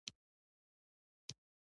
استاد د ټولنې سترګې روښانه ساتي.